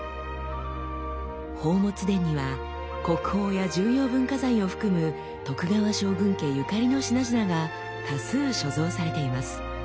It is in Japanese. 宝物殿には国宝や重要文化財を含む徳川将軍家ゆかりの品々が多数所蔵されています。